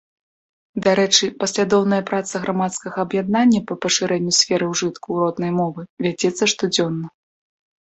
Дарэчы, паслядоўная праца грамадскага аб'яднання па пашырэнню сферы ўжытку роднай мовы вядзецца штодзённа.